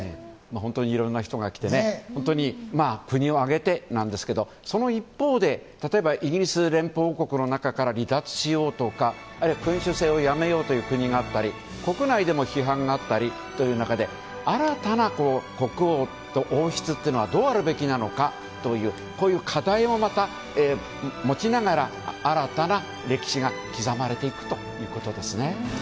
本当にいろんな人が来て本当に国を挙げてなんですがその一方で例えばイギリス連邦王国の中から離脱しようとかあるいは君主制をやめようという国があったり国内でも批判があったりという中で新たな国王と王室というのはどうあるべきなのかという課題もまた、持ちながら新たな歴史が刻まれていくということですね。